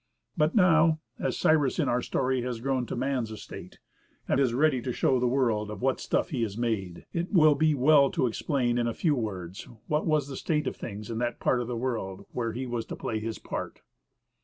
But now, as Cyrus in our story has grown to man's estate, and is ready to show the world of what stuff he is made, it will be well to explain in a few words, what was the state of things in that part of the world where he was to play his part.